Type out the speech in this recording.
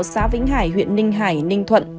lãnh đạo xã vĩnh hải huyện ninh hải ninh thuận